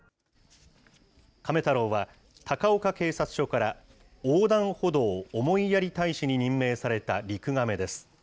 カメ太郎は高岡警察署から、横断歩道おもいやり大使に任命されたリクガメです。